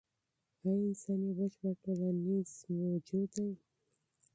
ایا انسان یو بشپړ ټولنیز موجود دی؟